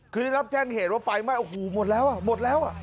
คือได้รับแจ้งเหตุว่าไฟไหม้โอ้โหหมดแล้วอ่ะหมดแล้วอ่ะ